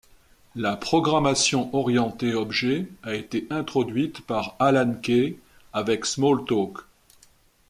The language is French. La programmation orientée objet a été introduite par Alan Kay avec Smalltalk.